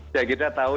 ya kita tahu